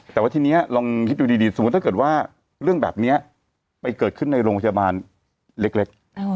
แต่ว่าทีนี้ลองคิดดูดีสมมุติถ้าเกิดว่าเรื่องแบบนี้ไปเกิดขึ้นในโรงพยาบาลเล็ก